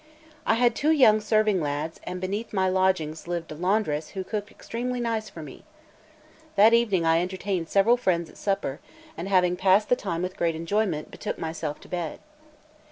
I had two young serving lads, and beneath my lodgings lived a laundress who cooked extremely nicely for me. That evening I entertained several friends at supper, and having passed the time with great enjoyment, betook myself to bed.